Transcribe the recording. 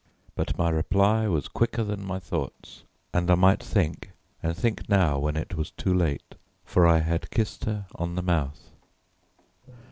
But my reply was quicker than my thoughts, and I might think and think now when it was too late, for I had kissed her on the mouth.